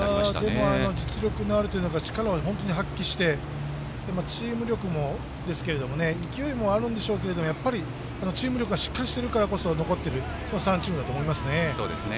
でも、実力のあるというか本当に力を発揮してチーム力ですけれども勢いもあるんでしょうけどやっぱりチーム力がしっかりしているからこそ残っている３チームだと思いますね。